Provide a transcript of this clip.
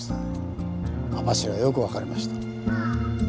網走がよく分かりました。